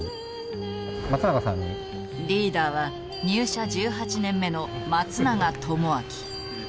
リーダーは入社１８年目の松永智昭。